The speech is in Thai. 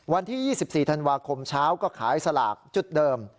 วันที่๒๔ธันวาคมเช้าก็ขายสลากจุดเดิม